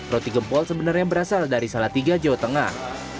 roti gempol sebenarnya berasal dari salatiga jawa tengah